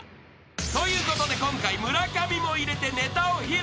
ということで今回村上も入れてネタを披露］